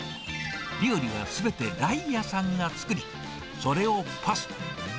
料理はすべてライヤさんが作り、それをパス。